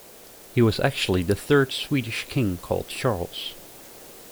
He was actually the third Swedish king called Charles.